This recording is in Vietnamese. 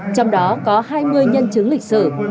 trong đó có hai mươi nhân chứng lịch sử